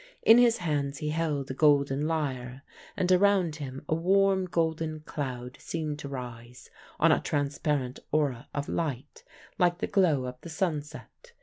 In his hands he held a golden lyre, and around him a warm golden cloud seemed to rise, on a transparent aura of light, like the glow of the sunset.